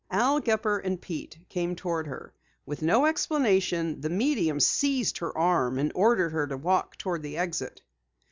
Al Gepper and Pete came toward her. With no explanation, the medium seized her arm and ordered her to walk toward the exit.